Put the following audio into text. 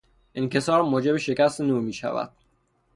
انکسار موجب شکست نور میشود.